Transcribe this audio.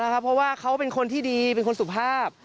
เพราะว่าเขาเป็นคนที่ดีเป็นคนสุภาพ